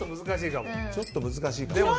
ちょっと難しいかも。